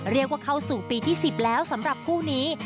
เรียกว่าเข้าสู่ปีที่๑๐แล้วสำหรับคู่นี้